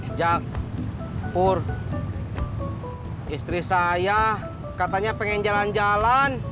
sejak pur istri saya katanya pengen jalan jalan